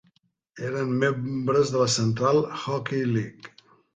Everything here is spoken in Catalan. Eren membres de la Central Hockey League.